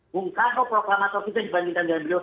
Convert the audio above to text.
bung karno proklamator kita dibandingkan dengan beliau